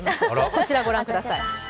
こちらご覧ください。